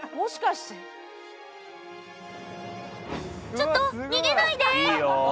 ちょっと逃げないで！